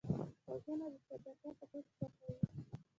غوږونه د صداقت غږ خوښوي